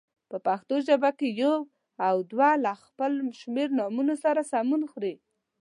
په پښتو ژبه کې یو او دوه له خپل شمېرنوم سره سمون خوري.